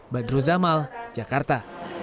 badru zamal jakarta